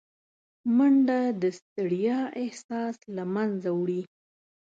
منډه د ستړیا احساس له منځه وړي